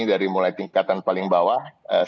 dari mulai tingkatan paling bawah